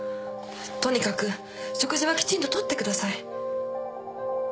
とにかく食事はきちんと取ってください。